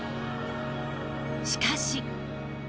しかし。